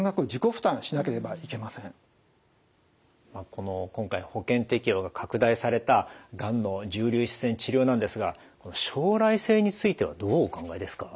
この今回保険適用が拡大されたがんの重粒子線治療なんですが将来性についてはどうお考えですか？